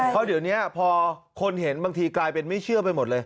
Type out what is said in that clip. เพราะเดี๋ยวนี้พอคนเห็นบางทีกลายเป็นไม่เชื่อไปหมดเลย